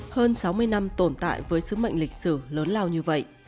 hơn sáu mươi năm tồn tại với sứ mệnh lịch sử lớn lao như vậy